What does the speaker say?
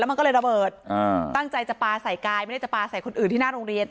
มันก็เลยระเบิดตั้งใจจะปลาใส่กายไม่ได้จะปลาใส่คนอื่นที่หน้าโรงเรียน